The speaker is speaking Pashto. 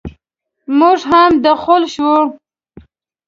موږ هم دخول شوو.